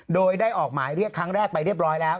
โดยได้ออกหมายเรียกครั้งแรกไปเรียบร้อยแล้ว